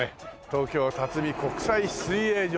東京辰巳国際水泳場。